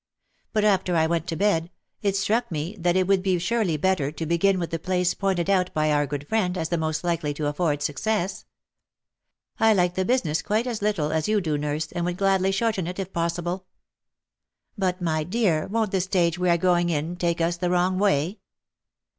But, after I went to bed, it struck me that it would be surely better to begin with the place pointed out by our good friend as the most likely to afford success. I like the business quite as little as you do, nurse, and would gladly shorten it, if possible." " But, my dear, won't the stage we are going in take us the wrong way